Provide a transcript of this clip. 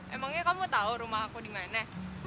emangnya kamu tau rumah aku dimana